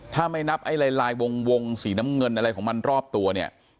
ถ้าไม่นับไอ้ลายลายวงสีน้ำเงินอะไรของมันรอบตัวเนี่ย